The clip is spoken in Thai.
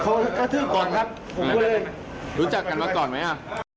เขากระทืบก่อนครับผมก็เลยรู้จักกันมาก่อนไหมอ่ะ